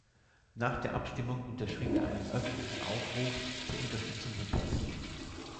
Nach der Abstimmung unterschrieb er einen öffentlichen Aufruf zur Unterstützung Hitlers.